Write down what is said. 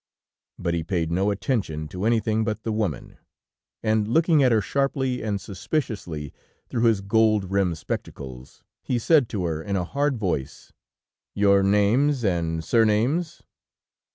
"But he paid no attention to anything but the woman, and looking at her sharply and suspiciously through his gold rimmed spectacles, he said to her in a hard voice: "'Your names and surnames?'